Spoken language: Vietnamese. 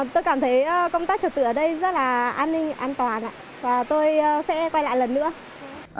tôi cảm thấy công tác trật tự ở đây rất là an ninh an toàn ạ và tôi sẽ quay lại lần nữa